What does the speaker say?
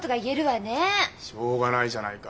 しょうがないじゃないか。